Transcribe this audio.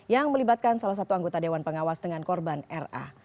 yang melibatkan salah satu anggota dewan pengawas dengan korban ra